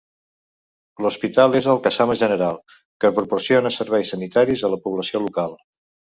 L'hospital és el Kasama General, que proporciona serveis sanitaris a la població local.